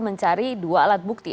mencari dua alat bukti